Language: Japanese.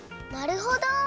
なるほど！